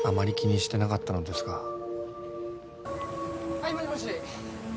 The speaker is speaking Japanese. はいもしもし。